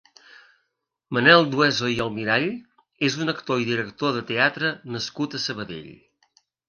Manel Dueso i Almirall és un actor i director de teatre nascut a Sabadell.